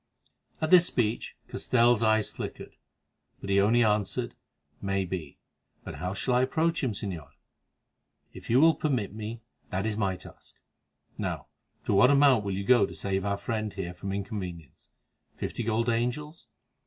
At this speech Castell's eyes flickered, but he only answered: "May be; but how shall I approach him, Señor?" "If you will permit me, that is my task. Now, to what amount will you go to save our friend here from inconvenience? Fifty gold angels?"